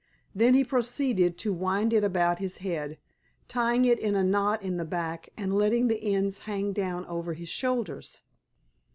Then he proceeded to wind it about his head, tying it in a knot in the back and letting the ends hang down over his shoulders.